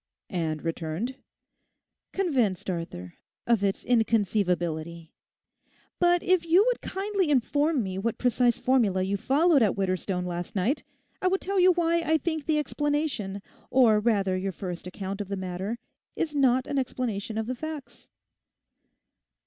'And returned?' 'Convinced, Arthur, of its inconceivability. But if you would kindly inform me what precise formula you followed at Widderstone last night, I would tell you why I think the explanation, or rather your first account of the matter, is not an explanation of the facts.